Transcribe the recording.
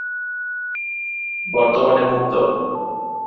বর্তমানে মুক্ত।